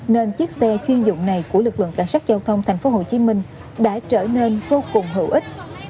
nên chiếc xe chuyên dụng này của lực lượng cảnh sát giao thông tp hcm đã trở nên vô cùng hữu ích